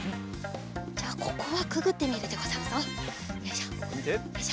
じゃここはくぐってみるでござるぞ。よいしょよいしょ。